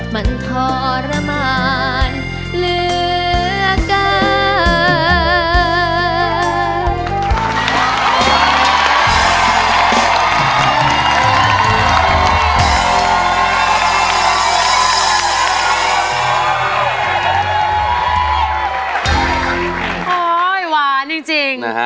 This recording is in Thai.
มันทรมานเหลือเกิน